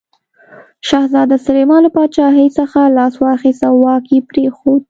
شهزاده سلیمان له پاچاهي څخه لاس واخیست او واک یې پرېښود.